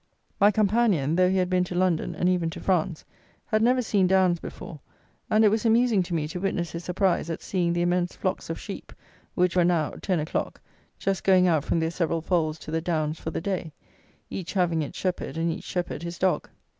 My companion, though he had been to London, and even to France, had never seen downs before; and it was amusing to me to witness his surprise at seeing the immense flocks of sheep, which were now (ten o'clock) just going out from their several folds to the downs for the day, each having its shepherd, and each shepherd his dog.